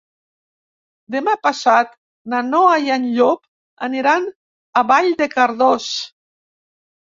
Demà passat na Noa i en Llop aniran a Vall de Cardós.